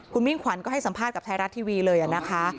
คุณมิ่งขวัญก็ให้สัมภาษณ์กับไทยรัฐทีวีเลยนะคะ